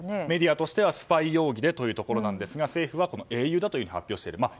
メディアとしてはスパイ容疑でということですが政府は英雄だと発表している。